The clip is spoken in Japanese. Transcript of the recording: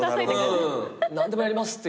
何でもやりますっていう。